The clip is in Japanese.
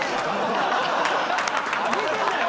上げてんだよ！